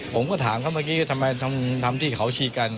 ผมก็ถามเขาเมื่อกี้ก็ทำไมทำที่เขาชีกัน